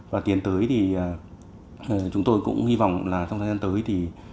và tiến tới thì chúng tôi cũng hy vọng là trong thời gian tới thì